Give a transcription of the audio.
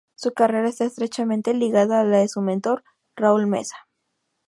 Su carrera está estrechamente ligada a la de su mentor, Raúl Mesa.